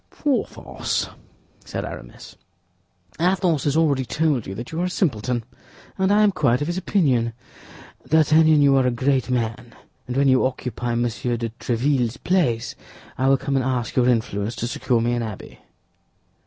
"Porthos," said Aramis, "Athos has already told you that you are a simpleton, and I am quite of his opinion. D'Artagnan, you are a great man; and when you occupy Monsieur de Tréville's place, I will come and ask your influence to secure me an abbey."